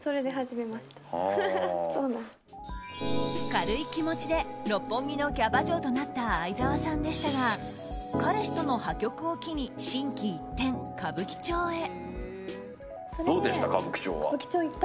軽い気持ちで六本木のキャバ嬢となった愛沢さんでしたが彼氏との破局を機に心機一転、歌舞伎町へ。